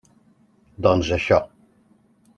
Doncs això.